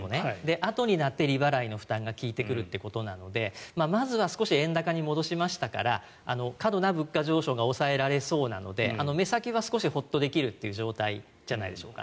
あとになって利払いの負担が効いてくるということなのでまずは少し円高に戻しましたから過度な物価上昇が抑えられそうなので目先は少しホッとできる状態じゃないでしょうか。